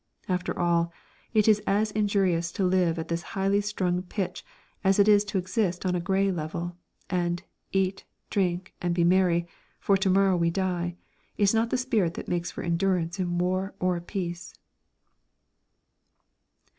After all, it is as injurious to live at this highly strung pitch as it is to exist on a grey level, and "Eat, drink, and be merry, for to morrow we die" is not the spirit that makes for endurance in war or peace.